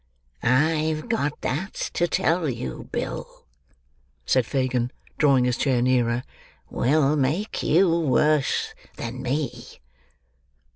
"I've got that to tell you, Bill," said Fagin, drawing his chair nearer, "will make you worse than me."